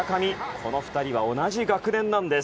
この２人は同じ学年なんです。